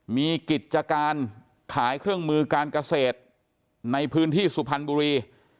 มีกิจการขายเครื่องมือการเกษตรในพื้นที่สุพรรณบุรี